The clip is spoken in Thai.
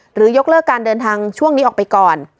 ยกเลิกการเดินทางช่วงนี้ออกไปก่อน